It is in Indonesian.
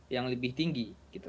yang lebih tinggi